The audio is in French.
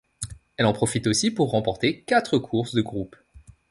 Elle en profite aussi pour remporter quatre courses de Groupe.